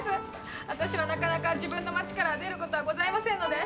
私はなかなか自分の町から出ることはございませんので。